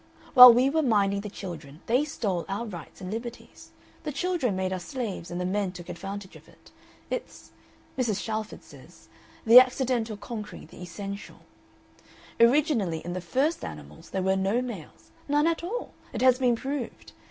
"While we were minding the children they stole our rights and liberties. The children made us slaves, and the men took advantage of it. It's Mrs. Shalford says the accidental conquering the essential. Originally in the first animals there were no males, none at all. It has been proved.